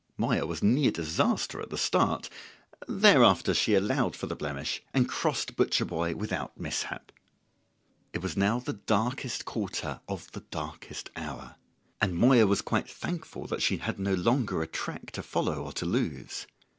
Moya was near disaster at the start; thereafter she allowed for the blemish, and crossed Butcher boy without mishap. It was now the darkest quarter of the darkest hour; and Moya was quite thankful that she had no longer a track to follow or to lose.